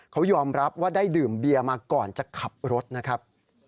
เขายอมรับว่าได้ดื่มเบียมาก่อนจะขับรถนะครับ